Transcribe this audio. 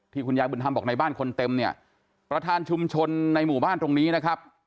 คุณยายบุญธรรมบอกในบ้านคนเต็มเนี่ยประธานชุมชนในหมู่บ้านตรงนี้นะครับ